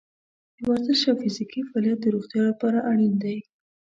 د ورزش او فزیکي فعالیت د روغتیا لپاره اړین دی.